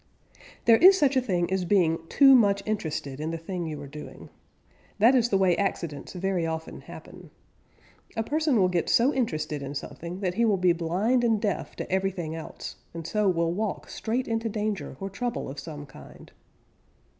_ There is such a thing as being too much interested in the thing you are doing. That is the way accidents very often happen. A person will get so interested in something that he will be blind and deaf to everything else, and so will walk straight into danger or trouble of some kind.